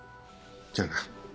じゃあな。